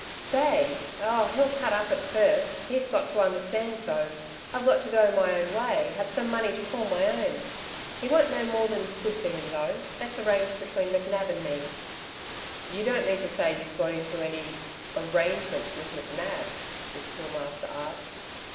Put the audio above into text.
"Say? Oh, he'll cut up at first. He's got to understand though, I've got to go my own way have some money to call my own. He won't know more than's good for him though. That's arranged between McNab and me." "You don't mean to say you've got into any arrangement with McNab?" the Schoolmaster asked.